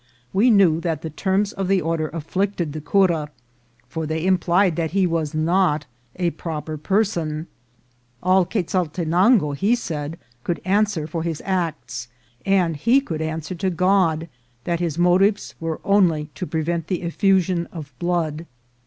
We knew that the terms of the order afflicted the cura, for they implied that he was not a proper person. All Quezaltenango, he said, could answer for his acts, and he could answer to God that his motives were only to prevent the effusion of blood.